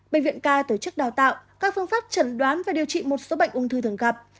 bệnh viện k tổ chức đào tạo các phương pháp chẩn đoán và điều trị một số bệnh ung thư thường gặp